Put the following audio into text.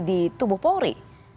di tubuh polri